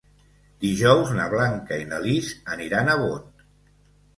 Dijous na Blanca i na Lis aniran a Bot.